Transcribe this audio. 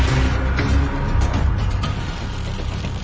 พี่น้องครับช่วยแชร์หน่อย